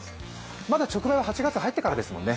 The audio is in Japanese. まだ直売は８月に入ってからですもんね。